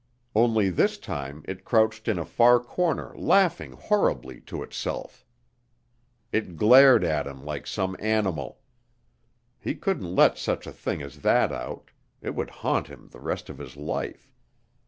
Only this time it crouched in a far corner laughing horribly to itself. It glared at him like some animal. He couldn't let such a thing as that out; it would haunt him the rest of his life.